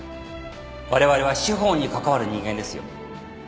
われわれは司法に関わる人間ですよ。